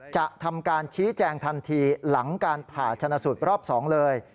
จะทำการชี้แจงทันทีหลังการผ่าชนะสูตรรอบ๒เลย